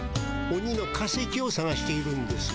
オニの化石をさがしているんです。